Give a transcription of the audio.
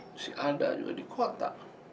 masih ada juga di kota